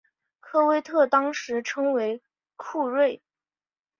科威特当时称为库锐。